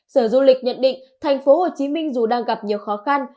sở du lịch nhận định thành phố hồ chí minh dù đang gặp nhiều khó khăn